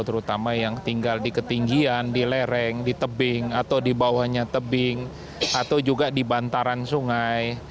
terutama yang tinggal di ketinggian di lereng di tebing atau di bawahnya tebing atau juga di bantaran sungai